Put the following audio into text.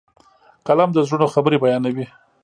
قلم د زړونو خبرې بیانوي.